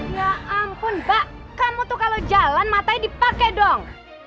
ya ampun mbak kamu tuh kalo jalan matanya dipake dong